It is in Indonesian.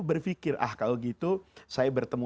berpikir ah kalau gitu saya bertemu